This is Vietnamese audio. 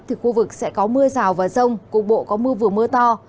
thì khu vực sẽ có mưa rào và rông cục bộ có mưa vừa mưa to